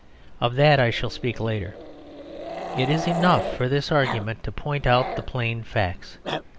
Of that I shall speak later; it is enough for this argument to point out the plain facts.